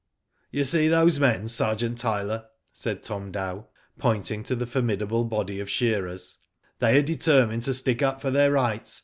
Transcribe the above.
"You see those men, Sergeant Tyler," said Tom Dow, pointing to the formidable body of shearers, "they are determined to stick up for their rights.